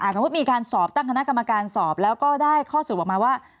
สมมุติมีการสอบตั้งคณะกรรมการสอบแล้วก็ได้ข้อสรุปออกมาว่า